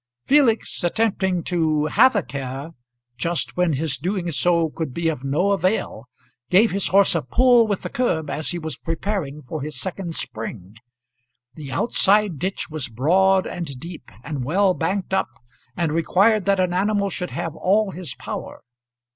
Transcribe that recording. Felix, attempting to "have a care" just when his doing so could be of no avail, gave his horse a pull with the curb as he was preparing for his second spring. The outside ditch was broad and deep and well banked up, and required that an animal should have all his power.